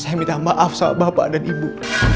saya minta maaf sama bapak dan ibu